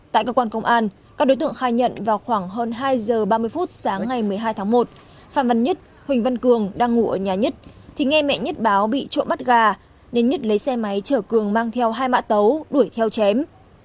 tại cơ quan công an các đối tượng khai nhận vào khoảng hơn hai giờ ba mươi phút sáng ngày một mươi hai tháng một phạm văn nhất huỳnh văn cường đang ngủ ở nhà nhất thì nghe mẹ nhất báo bị trộm bắt gà nên nhứt lấy xe máy chở cường mang theo hai mã tấu đuổi theo chém